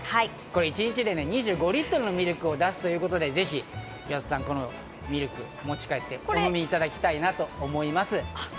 一日２５リットルのミルクを出すということで岩田さん、ぜひこのミルクを持ち帰ってお飲みいただきたいと思います。